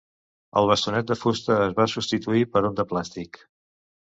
El bastonet de fusta es va substituir per un de plàstic.